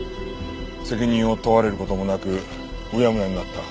責任を問われる事もなくうやむやになった。